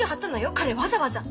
彼わざわざ。